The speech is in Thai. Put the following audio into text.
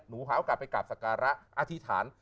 หนูหาโอกาสไปกราบศักราอธิษฐาน